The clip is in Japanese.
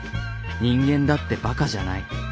人間だってバカじゃない。